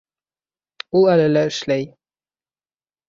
Ул әле лә эшләй